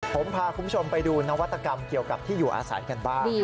ผมพาคุณผู้ชมไปดูนวัตกรรมเกี่ยวกับที่อยู่อาศัยกันบ้าง